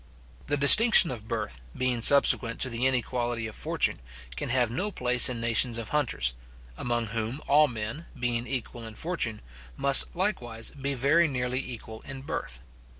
The distinction of birth, being subsequent to the inequality of fortune, can have no place in nations of hunters, among whom all men, being equal in fortune, must likewise be very nearly equal in birth.